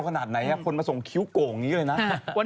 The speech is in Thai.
ทำไมละอีกคนส่งไม่ช่วยแกะ